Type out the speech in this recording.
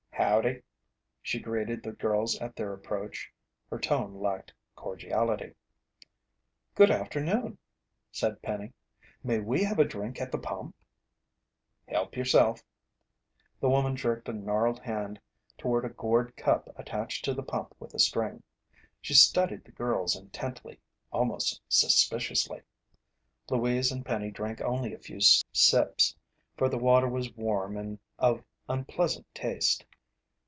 "Howdy," she greeted the girls at their approach. Her tone lacked cordiality. "Good afternoon," said Penny. "May we have a drink at the pump?" "Help yourself." The woman jerked a gnarled hand toward a gourd cup attached to the pump with a string. She studied the girls intently, almost suspiciously. Louise and Penny drank only a few sips, for the water was warm and of unpleasant taste.